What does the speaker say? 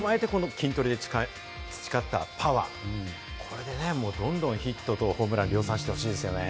それに加えて、筋トレで培ったパワー、これでね、どんどんヒット、ホームランを量産してほしいですよね。